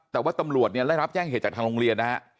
แต่ว่าตำรวจเนี่ยได้รับแจ้งเหตุจากทางโรงเรียนนะฮะ